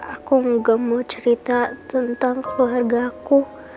aku enggak mau cerita tentang keluarga aku